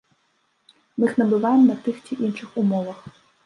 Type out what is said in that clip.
Мы іх набываем на тых ці іншых умовах.